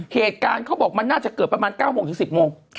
เหตุการณ์เขาบอกมันน่าจะเกิดประมาณ๙โมงถึง๑๐โมง